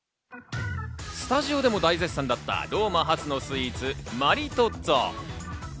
スタジオでも大絶賛だったローマ発のスイーツ、マリトッツォ。